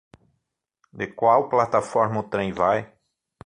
De qual plataforma o trem vai?